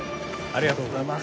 ありがとうございます。